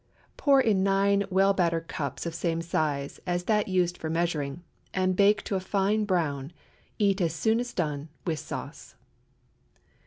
Pour in nine well buttered cups of same size as that used for measuring, and bake to a fine brown. Eat as soon as done, with sauce.